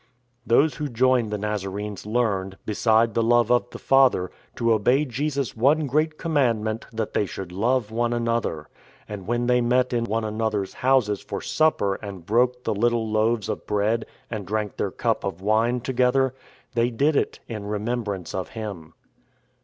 Those who joined the Nazarenes learned, beside the love of the Father, to obey Jesus' one great com mandment that they should " love one another." And when they met in one another's houses for supper and broke the little loaves of bread and drank their cup of wine together, they did it in remembrance of Him.